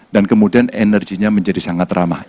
dan kemudian energinya menjadi sangat ramah